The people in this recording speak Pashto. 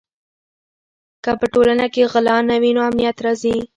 که په ټولنه کې غلا نه وي نو امنیت راځي.